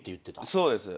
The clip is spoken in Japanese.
そうです。